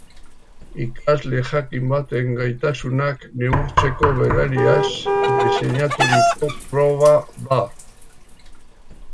Ikasle jakin baten gaitasunak neurtzeko berariaz diseinaturiko proba da.